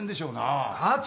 課長。